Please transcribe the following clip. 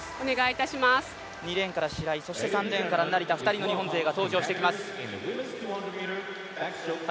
２レーンから白井、３レ−ンから成田２人の日本勢が登場してきます。